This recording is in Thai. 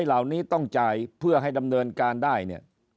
เหล่านี้ต้องจ่ายเพื่อให้ดำเนินการได้เนี่ย